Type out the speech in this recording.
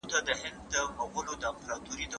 سړی پرون خوشاله و.